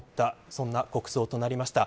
そんな国葬となりました。